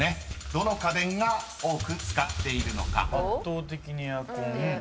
［どの家電が多く使っているのか］